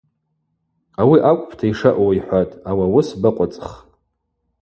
Ауи акӏвпӏта йшаъу,— йхӏватӏ,— ауи ауыс бакъвыцӏх.